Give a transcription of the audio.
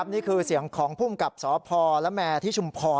นี่คือเสียงของภูมิกับสพละแมที่ชุมพร